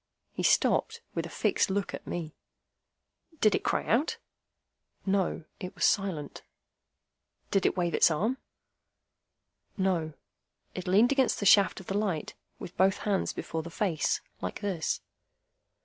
He stopped, with a fixed look at me. "Did it cry out?" "No. It was silent." "Did it wave its arm?" "No. It leaned against the shaft of the light, with both hands before the face. Like this."